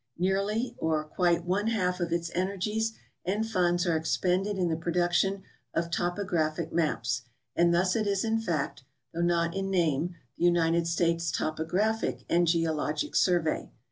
Nearly or quite one half of its energies and funds are expended in the pro duction of topographic maps, and thus it is in fact, though not in name, the United States Topographic and Geologic Survey.